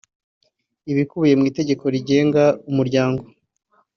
ibikubiye mu itegeko rigenga umuryango